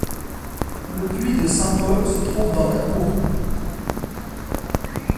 Le puits de Saint-Paul se trouve dans la cour.